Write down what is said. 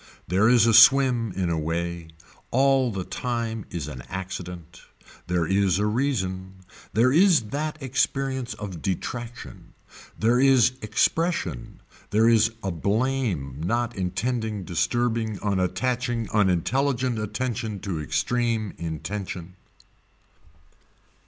There is a swim in a way. All the time is an accident. There is a reason. There is that experience of detraction. There there is expression, there is a blame not intending disturbing unattaching unintelligent attention to extreme intention.